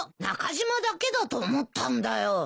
中島だけだと思ったんだよ。